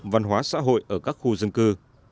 văn hóa xã hội ở các khu dân cư